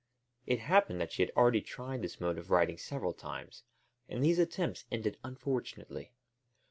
It happened that she had already tried this mode of riding several times and these attempts ended unfortunately.